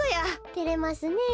てれますねえ。